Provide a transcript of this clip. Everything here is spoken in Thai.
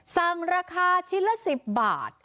สั่งราคาชิ้นละ๑๐บาท